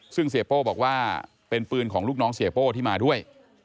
ซึ่งเสียโป้บอกว่าเป็นปืนของลูกน้องเสียโป้ที่มาด้วย